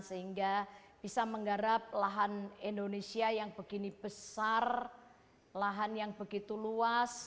sehingga bisa menggarap lahan indonesia yang begini besar lahan yang begitu luas